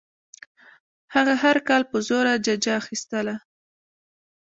هغه هر کال په زوره ججه اخیستله.